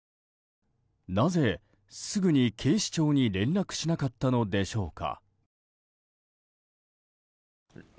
なぜ、すぐに警視庁に連絡しなかったのでしょうか。